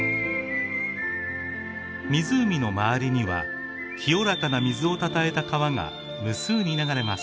湖の周りには清らかな水をたたえた川が無数に流れます。